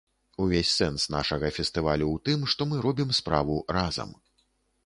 Увесь сэнс нашага фестывалю ў тым, што мы робім справу разам.